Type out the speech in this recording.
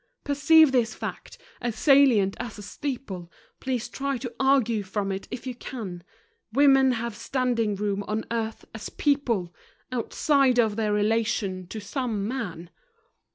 Perceive this fact, as salient as a steeple, Please try to argue from it if you can; Women have standing room on earth as people Outside of their relation to some man.